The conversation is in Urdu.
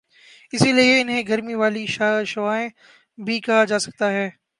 اسی لئے انہیں گرمی والی شعاعیں بھی کہا جاسکتا ہے